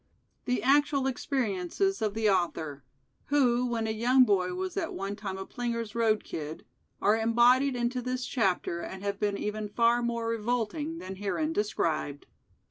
(The actual experiences of the Author, who when a young boy was at one time a plinger's road kid, are embodied into this chapter and have been even far more revolting than herein described.)